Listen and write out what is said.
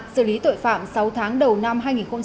xử lý tội phạm sáu tháng đầu năm hai nghìn một mươi chín